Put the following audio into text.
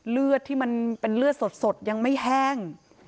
เลือดที่มันเป็นเลือดสดยังไม่แห้ง